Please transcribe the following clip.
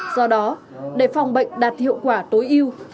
do đó để phòng bệnh đạt hiệu quả tối yêu